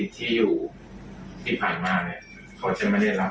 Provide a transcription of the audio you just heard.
เกญสำนึกผิดหรือยัง